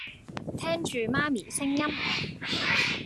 聽住媽咪聲音